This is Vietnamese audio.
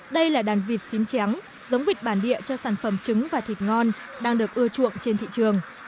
đây là đàn vịt xín tráng giống vịt bản địa cho sản phẩm trứng và thịt ngon đang được ưa chuộng trên thị trường